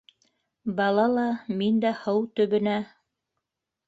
Бала ла, мин дә һыу төбөнә...